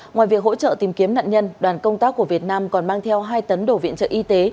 ngoài việc hỗ trợ tìm kiếm nạn nhân đoàn công tác của việt nam còn mang theo hai tấn đổ viện trợ y tế